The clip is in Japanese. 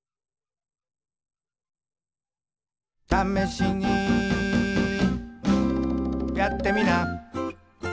「ためしにやってみな」